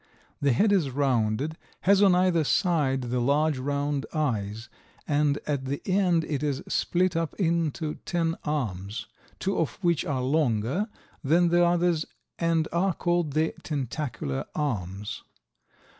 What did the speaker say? The head is rounded, has on either side the large, round eyes, and at the end it is split up into ten arms, two of which are longer than the others and are called the tentacular arms.